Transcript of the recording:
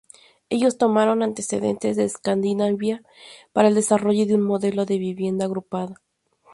Ellos tomaron antecedentes de Escandinavia para el desarrollo de un modelo de vivienda agrupada.